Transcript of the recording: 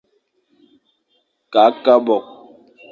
Kakh abôkh.